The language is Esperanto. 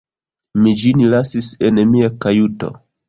Mi ĝin lasis en mia kajuto.